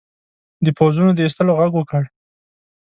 د پوځونو د ایستلو ږغ وکړ.